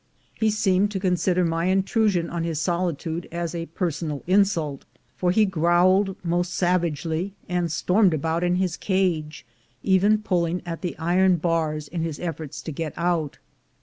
He seemed to consider my intrusion on his solitude as a personal insult, for he growled most savagely, and stormed about in his cage, even pulling at the iron bars in his efforts to get out.